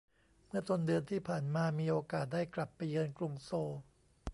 เมื่อต้นเดือนที่ผ่านมามีโอกาสได้กลับไปเยือนกรุงโซล